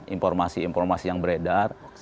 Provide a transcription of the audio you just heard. informasi informasi yang beredar